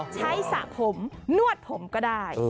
สระผมนวดผมก็ได้